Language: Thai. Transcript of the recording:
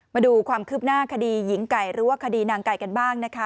มาดูความคืบหน้าคดีหญิงไก่หรือว่าคดีนางไก่กันบ้างนะคะ